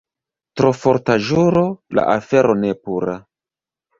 Tro forta ĵuro — la afero ne pura.